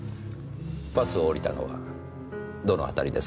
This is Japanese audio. バスを降りたのはどの辺りですか？